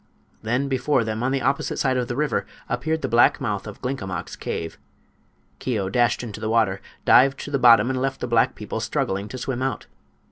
Then before them, on the opposite side of the river, appeared the black mouth of Glinkomok's cave. Keo dashed into the water, dived to the bottom and left the black people struggling to swim out.